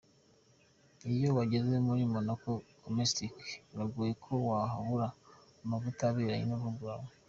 Iyo wageze muri Monaco Cometics, biragoye ko wahabura amavuta aberanye n'uruhu rwawe.